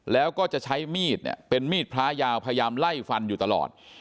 แล้วก็จะใช้มีดเนี่ยเป็นมีดพระยาวพยายามไล่ฟันอยู่ตลอด